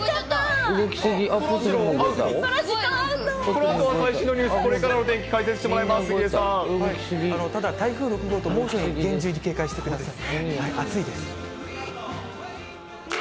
このあとは最新のニュース、これからのお天気解説してもらいただ、台風６号と猛暑に厳重に警戒してください。